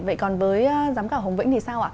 vậy còn với giám khảo hồng vĩnh thì sao ạ